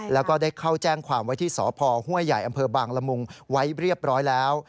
แล้วก็ได้เข้าแจ้งความไว้ที่สพห้วยใหญ่อำเภอบางละมุงไว้เรียบร้อยแล้ว